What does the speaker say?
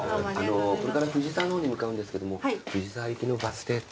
これから藤沢の方に向かうんですけども藤沢行きのバス停って。